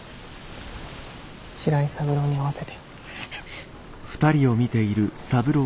白井三郎に会わせて。